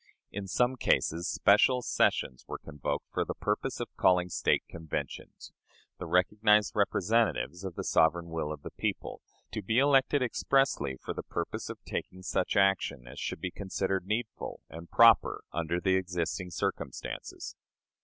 In some cases special sessions were convoked for the purpose of calling State Conventions the recognized representatives of the sovereign will of the people to be elected expressly for the purpose of taking such action as should be considered needful and proper under the existing circumstances.